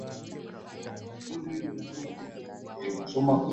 nikiachana na emmanuel makundi katika masuala ya michezo